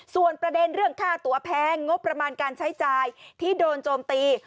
ส่วนประเด็นเรื่องค่าตัวแพงงบประมาณการใช้จ่ายที่โดนโจมตี